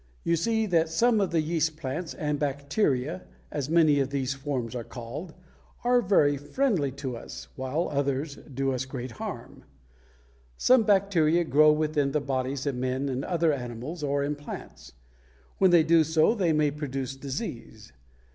You see that some of the yeast plants and bacteria, as many of these forms are called, are very friendly to us, while others do us great harm. Some bacteria grow within the bodies of men and other animals or in plants. When they do so they may produce disease.